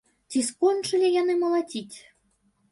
Ці скончылі яны малаціць?